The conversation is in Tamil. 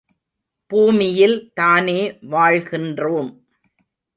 பூமியில் தானே வாழ்கின்றோம்.